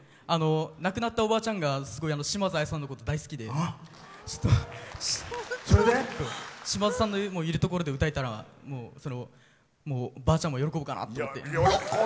亡くなったおばあちゃんがすごい島津亜矢さんのこと大好きで島津さんのいるところで歌えたらばあちゃんも喜ぶかなと思って。